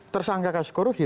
tersangka kasus korupsi